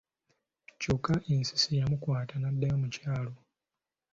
Kyokka ensisi yamukwata n'addayo mu kyalo!